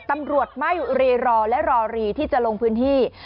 ตำรวจไม่รีรอและรอรีที่จะลงพื้นที่